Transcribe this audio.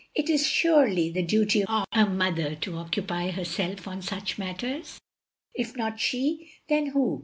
"It is surely the duty of a mother to occupy herself of such matters! If not she, then who?